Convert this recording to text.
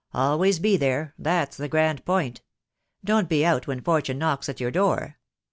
Always be there, that's the grand point. Don't be out when Fortune knocks at your door.